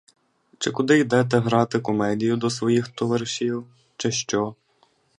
Чи куди йдете грати комедію до своїх товаришів, чи що?